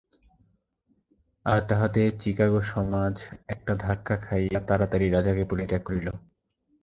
আর তাহাতেই চিকাগো সমাজ একটা ধাক্কা খাইয়া তাড়াতাড়ি রাজাকে পরিত্যাগ করিল।